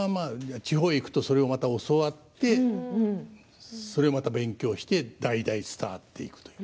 それが地方に行くとそれをまた教わってそれをまた勉強して代々伝わっていくという。